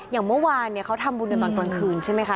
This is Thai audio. อย่างเมื่อวานเขาทำบุญกันตอนกลางคืนใช่ไหมคะ